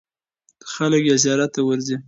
خلک یې زیارت ته ورځي.